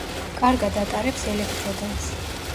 კარგად ატარებს ელექტრო დენს.